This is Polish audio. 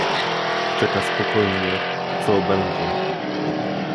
"Czeka spokojnie, co będzie."